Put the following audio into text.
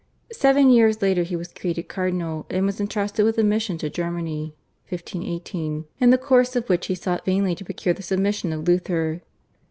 Seven years later he was created cardinal and was entrusted with a mission to Germany (1518), in the course of which he sought vainly to procure the submission of Luther.